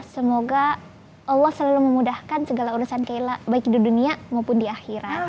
semoga allah selalu memudahkan segala urusan keilla baik di dunia maupun di akhirat